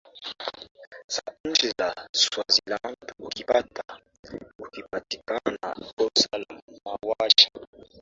za nchi ya swaziland ukipita ukipatikana na kosa la mauaji